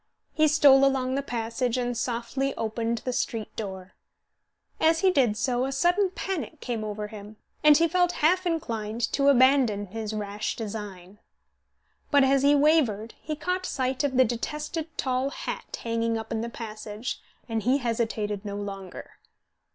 He stole along the passage, and softly opened the street door. As he did so a sudden panic came over him, and he felt half inclined to abandon his rash design. But as he wavered he caught sight of the detested tall hat hanging up in the passage, and he hesitated no longer.